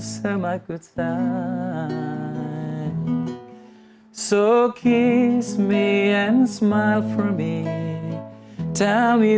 saya tak suka pergi